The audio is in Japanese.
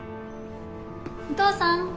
お父さん！